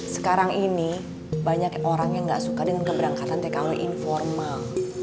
sekarang ini banyak orang yang gak suka dengan keberangkatan tkw informal